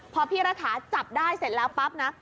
พอพี่รัฐาจับได้เสร็จแล้วปั๊บนะ